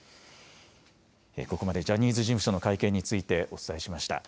ここまでジャニーズ事務所の会見についてお伝えしました。